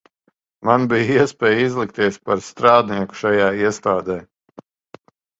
Man bija iespēja izlikties par strādnieku šajā iestādē.